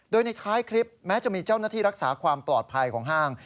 โดยในท้ายคลิปแม้จะมีเจ้าหน้าที่รักษาความปลอดภัยของห้าง